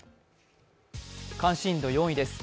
関心度４位です。